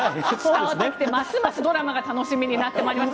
ますますドラマが楽しみになってまいりました。